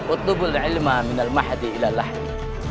utlubul ilma minal ma'adi ila lahdi